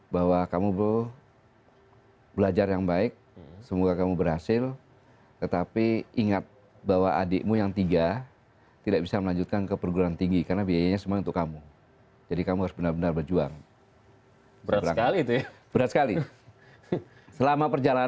bahwa politik tni adalah politik negara